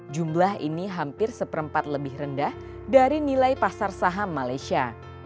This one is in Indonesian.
jumlah ini hampir seperempat lebih rendah dari nilai pasar saham malaysia